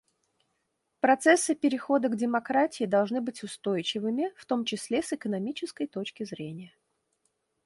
Процессы перехода к демократии должны быть устойчивыми, в том числе с экономической точки зрения.